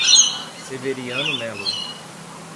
Severiano Melo